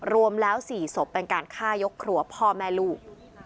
รวมแล้ว๔ศพเป็นการฆ่ายกครัวพ่อแม่ลูก